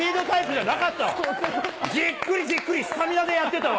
じっくりじっくりスタミナでやってたわ。